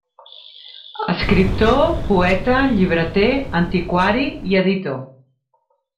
Escriptor, poeta, llibreter, antiquari i editor.